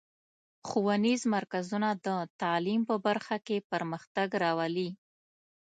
ښوونیز مرکزونه د تعلیم په برخه کې پرمختګ راولي.